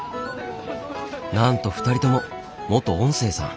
なんと２人とも元音声さん。